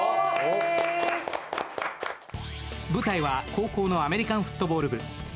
舞台は高校のアメリカンフットボール部。